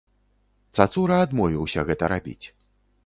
Цацура адмовіўся гэта рабіць.